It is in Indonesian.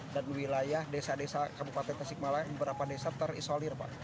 dan wilayah desa desa kabupaten tasikmalaya beberapa desa terisolir